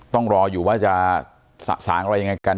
ต้องรออยู่ว่าจะสะสางอะไรยังไงกัน